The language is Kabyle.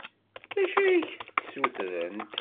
D acu i ak-d-ssutrent?